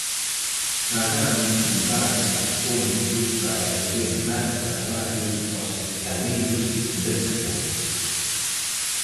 Fagamos un barco ponte para poder dar traballo aos estaleiros de Ferrol.